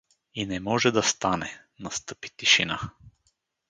И не може да стане… Настъпи тишина.